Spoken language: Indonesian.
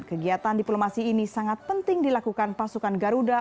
kegiatan diplomasi ini sangat penting dilakukan pasukan garuda